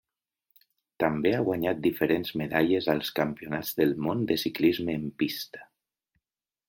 També ha guanyat diferents medalles als Campionats del món de ciclisme en pista.